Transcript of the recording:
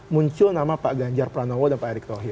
muncul nama pak ganjar pranowo dan pak erick thohir